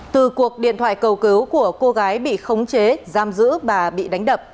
từ cuộc điện thoại cầu cứu của cô gái bị khống chế giam giữ bà bị đánh đập